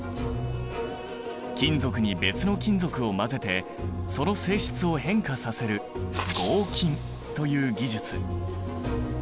金属に別の金属を混ぜてその性質を変化させる合金という技術。